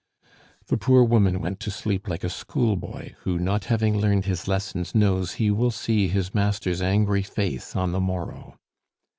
The poor woman went to sleep like a schoolboy who, not having learned his lessons, knows he will see his master's angry face on the morrow.